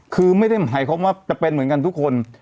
คือไม่ได้หมายความว่าจะเป็นเหมือนกันทุกคน